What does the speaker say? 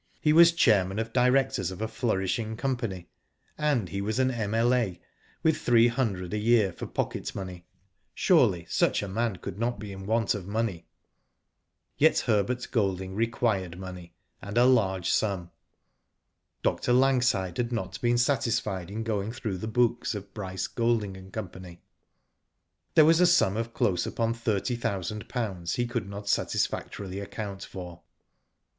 He was chairman of directors of a flourishing company, and he was an M.L.A. with three hundred a year for pocket money. Surely such a man could not be in want of money. Digitized byGoogk 136 WHO DID IT? Yet Herbert Golding required money, and a large sum. Dr. Langside had not been satisfied in going through the books of Bryce, Golding, and Co. There was a sum of close upon thirty thousand pounds he could not satisfactorily account for.